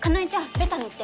ベタ塗って。